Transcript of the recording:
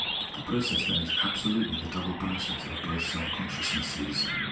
The process then is absolutely the double process of both self consciousnesses.